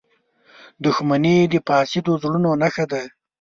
• دښمني د فاسدو زړونو نښه ده.